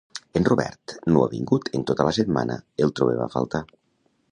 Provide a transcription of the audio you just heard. En Robert no ha vingut en tota la setmana, el trobem a faltar